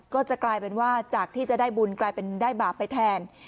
ก็จะกลายเป็นว่าจากที่จะได้บุญกลายเป็นได้บาปไปแทน